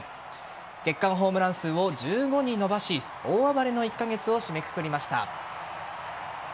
月間ホームラン数を１５に伸ばし大暴れの１カ月を締めくくりました。